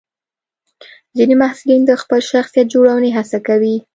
ځینې محصلین د خپل شخصیت جوړونې هڅه کوي.